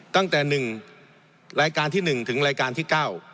ตั้งแต่๑รายการที่๑ถึงรายการที่๙